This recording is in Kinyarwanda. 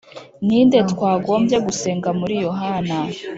Ni nde twagombye gusenga Muri Yohana